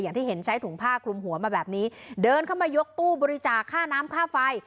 อย่างที่เห็นใช้ถุงผ้าคลุมหัวมาแบบนี้เดินเข้ามายกตู้บริจาคค่าน้ำค่าไฟ